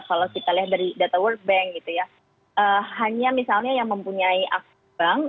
kalau kita lihat dari data world bank gitu ya hanya misalnya yang mempunyai bank